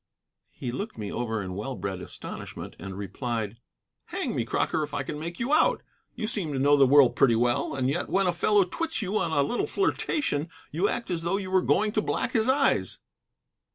He looked me over in well bred astonishment and replied: "Hang me, Crocker, if I can make you out. You seem to know the world pretty well, and yet when a fellow twits you on a little flirtation you act as though you were going to black his eyes."